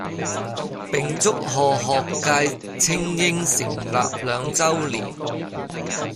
並祝賀學界菁英成立兩周年